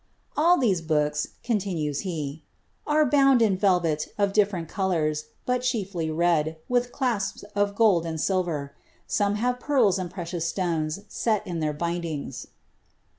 " All these books," continues he, " are bound in velvet of diflerent colours, but chiefly red, wiih clasps of gold tai silver; some have pearls and precious siones, set in iheir bindings.''